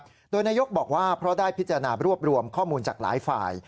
โดยนายกบอกว่าเพราะได้พิจารณารวบรวมข้อมูลจากหลายฝ่าย